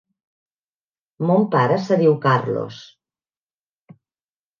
Mon pare se diu Carlos.